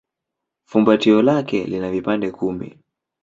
Fumbatio lake lina vipande kumi.